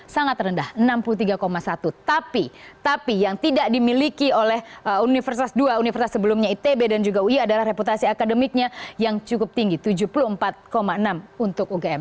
sangat rendah enam puluh tiga satu tapi yang tidak dimiliki oleh universitas ii universitas sebelumnya itb dan juga ui adalah reputasi akademiknya yang cukup tinggi tujuh puluh empat enam untuk ugm